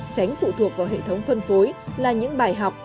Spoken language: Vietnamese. tránh phụ thuộc vào hệ thống phân phối là những bài học